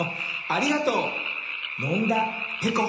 ありがとうのんだぺこ。